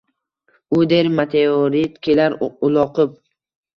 U der: “Meteorit kelar uloqib…